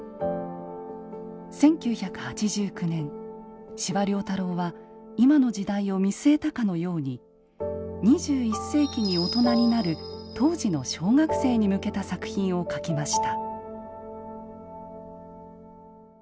１９８９年司馬太郎は今の時代を見据えたかのように二十一世紀に大人になる当時の小学生に向けた作品を書きました。